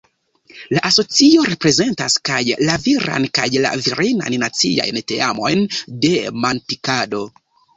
La asocio reprezentas kaj la viran kaj la virinan naciajn teamojn de manpilkado.